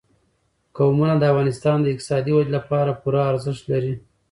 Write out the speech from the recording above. قومونه د افغانستان د اقتصادي ودې لپاره پوره ارزښت لري.